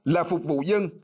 là phục vụ dân